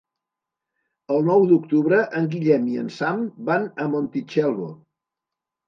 El nou d'octubre en Guillem i en Sam van a Montitxelvo.